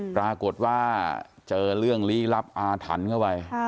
ปรากฏว่าเจอเรื่องลี้ลับอาถรรพ์เข้าไป